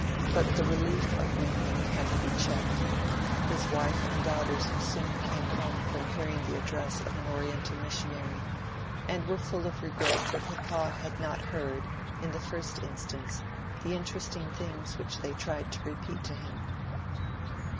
But the relief of weeping had to be checked. His wife and daughters soon came home from hearing the address of an Oriental missionary, and were full of regret that papa had not heard, in the first instance, the interesting things which they tried to repeat to him.